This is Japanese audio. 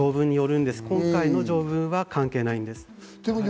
今回の条文は関係ないです。